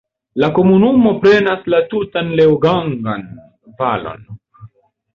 La komunumo prenas la tutan Leogang-an valon.